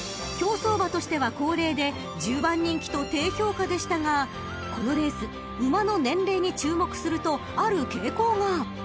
［競走馬としては高齢で１０番人気と低評価でしたがこのレース馬の年齢に注目するとある傾向が］